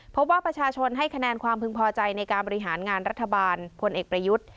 เพราะว่าประชาชนให้คะแนนความพึงพอใจในการบริหารงานรัฐบาลพลเอกประยุทธ์